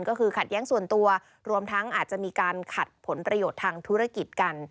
ก็คือขัดแย้งส่วนตัวรวมทั้งอาจจะมีการขัดผลประโยชน์ทางธุรกิจกัน